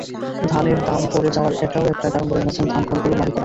ধানের দাম পড়ে যাওয়ার এটাও একটা কারণ বলে জানাচ্ছেন ধানকলগুলোর মালিকেরা।